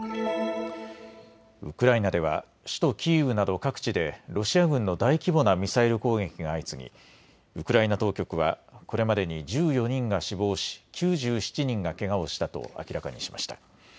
ウクライナでは首都キーウなど各地でロシア軍の大規模なミサイル攻撃が相次ぎウクライナ当局はこれまでに１４人が死亡し、９７人がけがをしたと明らかにしました。